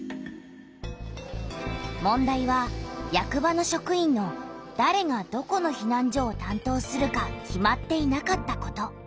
問題は役場の職員のだれがどこのひなん所をたんとうするか決まっていなかったこと。